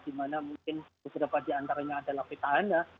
dimana mungkin beberapa di antaranya adalah peta anda